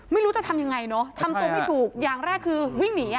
ไม่รู้จะทำยังไงเนอะทำตัวไม่ถูกอย่างแรกคือวิ่งหนี